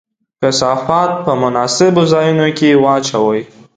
کثافات په مناسبو ځایونو کې واچوئ.